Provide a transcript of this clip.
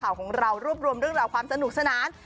ของเรารวบรวมเรื่องราวความสนุกสนาน